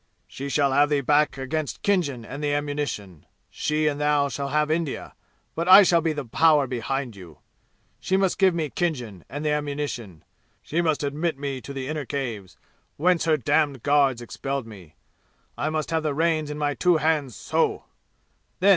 "She shall have thee back against Khinjan and the ammunition! She and thou shall have India, but I shall be the power behind you! She must give me Khinjan and the ammunition! She must admit me to the inner caves, whence her damned guards expelled me. I must have the reins in my two hands so!